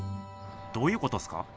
どういうことっすか？